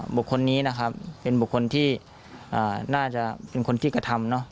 บุคคลนี้นะครับเป็นบุคคลที่น่าจะเป็นคนที่กระทำเนอะ